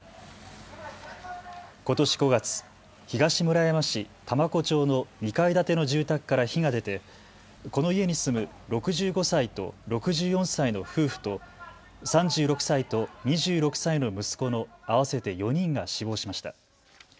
ことし５月、東村山市多摩湖町の２階建ての住宅から火が出てこの家に住む６５歳と６４歳の夫婦と３６歳と２６歳の息子の合わせて４人が死亡しました。